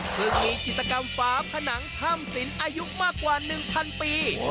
ซึ่งมีจิตกรรมสิ่งอายุมากว่า๑๐๐๐ปี